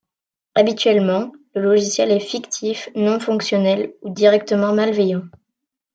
Habituellement, le logiciel est fictif, non-fonctionnel ou directement malveillant.